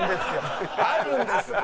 あるんですよ。